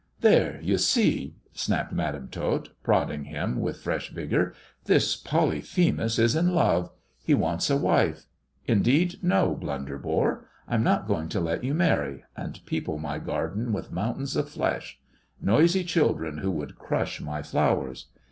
" There, you see^" snapped Madam Tot, prodding him with fresh vigour, " this Polyphemus is in love ; he wants a wife. Indeed, no, Blunderbore. I'm not going to let you marry, and people my garden with mountains of flesh ; Qoisy children who would crush my flowers.